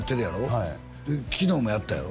はい昨日もやったやろ？